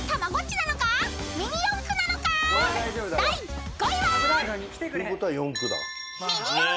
［第５位は］